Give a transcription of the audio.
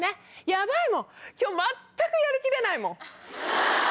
ヤバいもん今日全くやる気出ないもん。